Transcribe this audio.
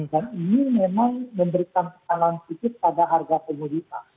dan ini memang memberikan kesalahan sedikit pada harga pemudika